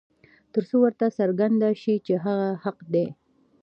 تر څو ورته څرګنده شي چې هغه حق دى.